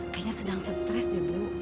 kayaknya sedang stres ya bu